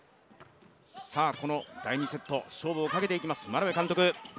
この第２セット、勝負をかけていきます、眞鍋監督。